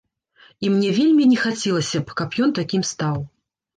І мне вельмі не хацелася б, каб ён такім стаў.